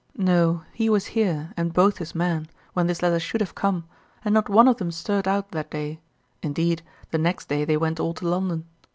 No; he was here, and both his men, when this letter should have come, and not one of them stirred out that day; indeed, the next day they went all to London.